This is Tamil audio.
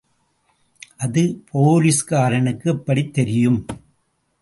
அது போலிஸ்காரனுக்கு எப்படித் தெரியும்?